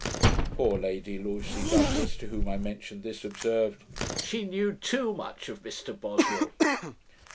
Poor Lady Lucy Douglas, to whom I mentioned this, observed, 'She knew TOO MUCH of Mr Boswell.'